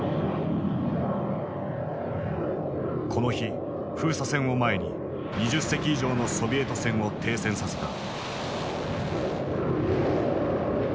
この日封鎖線を前に２０隻以上のソビエト船を停船させた。